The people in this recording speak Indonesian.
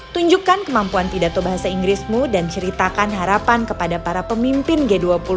tunjukkan kemampuan pidato bahasa inggrismu dan ceritakan harapan kepada para pemimpin g dua puluh